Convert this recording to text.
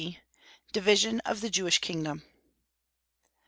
C. DIVISION OF THE JEWISH KINGDOM.